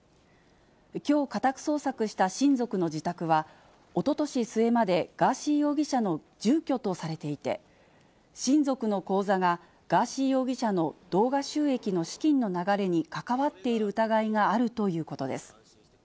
きょう家宅捜索した親族の自宅は、おととし末までガーシー容疑者の住居とされていて、親族の口座がガーシー容疑者の動画収益の資金の流れに関わっている疑いがあるということです。